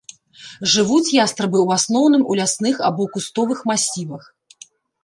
Жывуць ястрабы ў асноўным у лясных або кустовых масівах.